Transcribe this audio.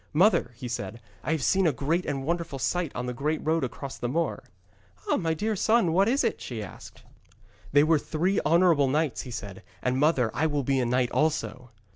'Mother,' he said, 'I have seen a great and wonderful sight on the great road across the moor.' 'Ah, my dear son, what was that?' she asked. 'They were three honourable knights,' he said. 'And, mother, I will be a knight also.'